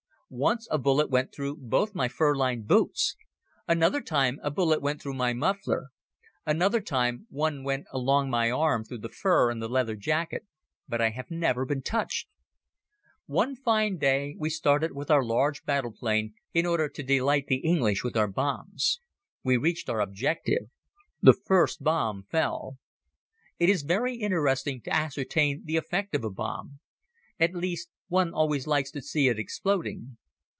Once a bullet went through both my furlined boots. Another time a bullet went through my muffler. Another time one went along my arm through the fur and the leather jacket; but I have never been touched. One fine day we started with our large battle plane in order to delight the English with our bombs. We reached our object. The first bomb fell. It is very interesting to ascertain the effect of a bomb. At least one always likes to see it exploding.